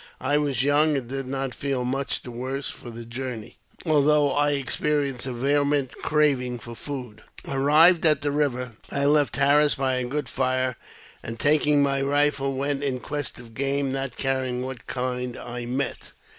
I was young and did not feel much the worse for the journey, although I experienced a vehement craving for food. Arrived at the river, I left Harris by a good fire, and, taking my rifle, went in quest of game, not caring what kind I tnet.